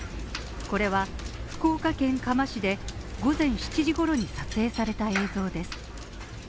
これは福岡県嘉麻市で午前７時ごろに撮影された映像です。